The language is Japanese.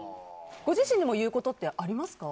ご自身でも言うことってありますか？